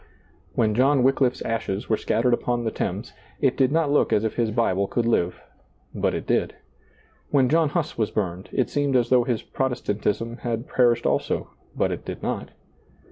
When John Wyclifs ashes were scattered upon the Thames, it did not look as if his Bible could live, but it did. When John Huss was burned, it seemed as though his protestantism had per soiizccb, Google 90 SEEING DARKLY ished also, but it did not.